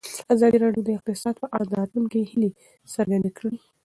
ازادي راډیو د اقتصاد په اړه د راتلونکي هیلې څرګندې کړې.